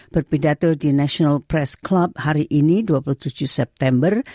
berpidato di national press club hari ini dua puluh tujuh september